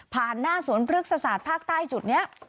หน้าสวนพฤกษศาสตร์ภาคใต้จุดนี้